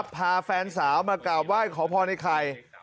พาแฟนสาวมากราบไหว้ขอพรไอ้ไข่